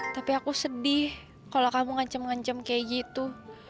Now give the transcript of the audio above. tapi aku sedih kalau kamu ngancam ngancam kayak gitu